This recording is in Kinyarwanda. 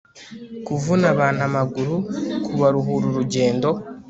kuvuna abantu amaguru kubaruhura urugendo